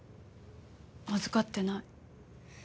預かってない。